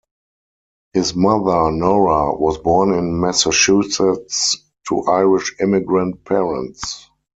His mother, Nora, was born in Massachusetts to Irish immigrant parents.